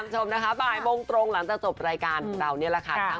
เจอเลย